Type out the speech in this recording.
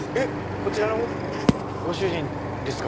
こちらのご主人ですか？